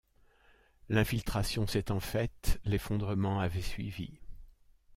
L’infiltration s’étant faite, l’effondrement avait suivi.